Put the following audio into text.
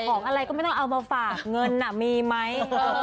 ของอะไรก็ไม่ต้องเอามาฝากเงินมีไหม